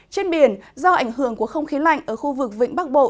trên biển do ảnh hưởng của không khí lạnh ở khu vực vĩnh bắc bộ